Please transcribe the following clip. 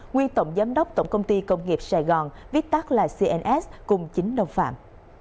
nguyên tổng giám đốc tổng công ty công nghiệp sài gòn viết tắt là cns cùng chín đồng phạm